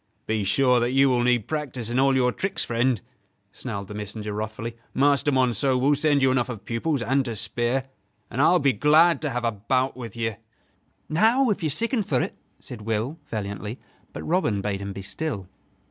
"Be sure that you will need practice in all your tricks, friend," snarled the messenger, wrathfully; "Master Monceux will send you enough of pupils and to spare! And I will be glad to have a bout with you." "Now, if you sicken for't," said Will, valiantly; but Robin bade him be still.